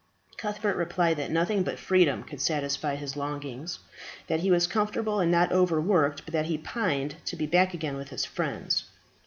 Cuthbert replied that nothing but freedom could satisfy his longings; that he was comfortable and not overworked, but that he pined to be back again with his friends.